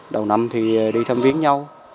đầu năm thì đi thăm viên nhau